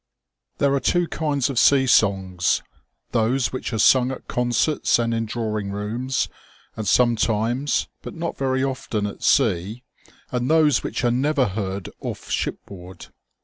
Thebe are two kinds of sea songs, those which are sung at concerts and in drawing rooms, and sometimes, but not very often, at sea, and those which are never heard off shipboard.